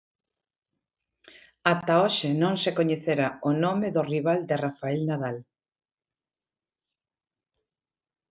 Ata hoxe non se coñecerá o nome do rival de Rafa Nadal.